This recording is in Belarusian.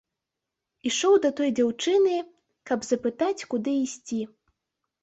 Ішоў да той дзяўчыны, каб запытаць, куды ісці.